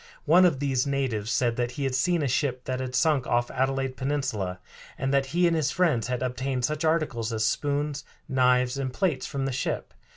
One of these natives said that he had seen a ship that had sunk off Adelaide Peninsula, and that he and his friends had obtained such articles as spoons, knives, and plates from the ship.